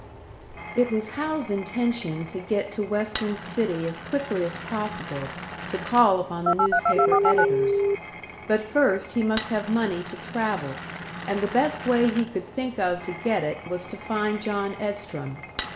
It was Hal's intention to get to Western City as quickly as possible to call upon the newspaper editors. But first he must have money to travel, and the best way he could think of to get it was to find John Edstrom.